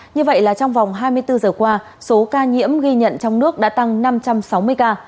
như vậy là trong vòng hai mươi bốn giờ qua số ca nhiễm ghi nhận trong nước đã tăng năm trăm sáu mươi ca